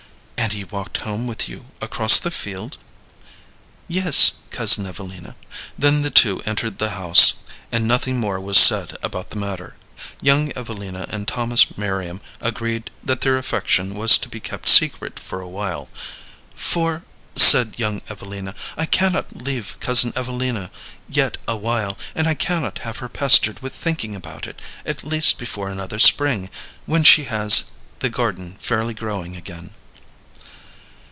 "And he walked home with you across the field?" "Yes, Cousin Evelina." Then the two entered the house, and nothing more was said about the matter. Young Evelina and Thomas Merriam agreed that their affection was to be kept a secret for a while. "For," said young Evelina, "I cannot leave Cousin Evelina yet a while, and I cannot have her pestered with thinking about it, at least before another spring, when she has the garden fairly growing again."